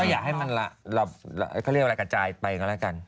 อยากให้มันเขาเรียกว่าอะไรกระจายไปกันแล้วกัน